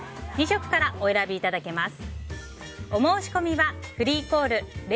２色からお選びいただけます。